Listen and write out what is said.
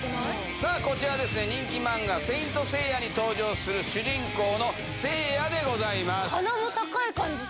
さあ、こちらですね、人気漫画、聖闘士星矢に登場する主人公の星矢でございます。